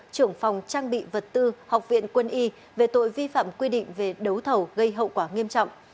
trưởng phòng trang bị vật tư học viện quân y về tội vi phạm quy định về đấu thầu gây hậu quả nghiêm trọng